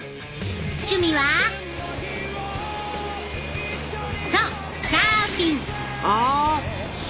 趣味はそうサーフィン！